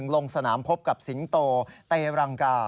ลงสนามพบกับสิงโตเตรังกา